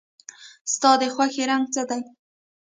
ستا د خوښې رنګ څه دی؟